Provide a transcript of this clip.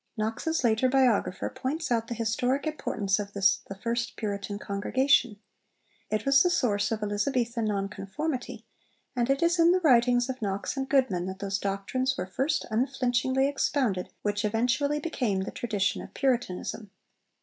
Knox's later biographer points out the historic importance of this 'the first Puritan congregation.' It was the source of Elizabethan Non conformity, and 'it is in the writings of Knox and Goodman that those doctrines were first unflinchingly expounded which eventually became the tradition of Puritanism.'